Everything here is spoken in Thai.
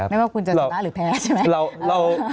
ไม่ว่าคุณจะชนะหรือแพ้ใช่ไหม